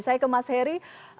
saya ke mas heri